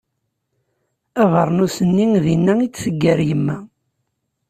Abernus-nni dinna i t-teggar yemma.